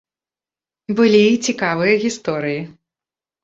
Былі і цікавыя гісторыі.